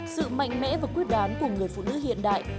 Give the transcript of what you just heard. sự mạnh mẽ và quyết đoán của người phụ nữ hiện đại